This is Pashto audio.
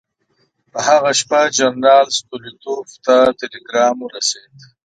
په هغه شپه جنرال ستولیتوف ته ټلګرام ورسېد.